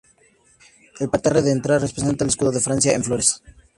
El parterre de entrada representaba el escudo de Francia en flores.